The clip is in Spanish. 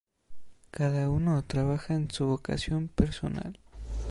Cada uno trabaja en su vocación personal.